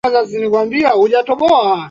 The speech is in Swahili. Nina haja nawe katika kila hali.